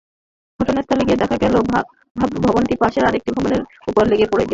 ঘটনাস্থলে গিয়ে দেখা গেছে, ভবনটি পাশের আরেকটি ভবনের ওপর লেগে গেছে।